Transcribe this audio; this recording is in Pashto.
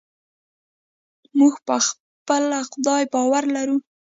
موږ په خپل خدای باور لرو.